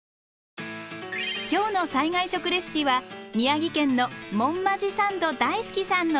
今日の災害食レシピは宮城県のモンマジサンド大好きさんの一品。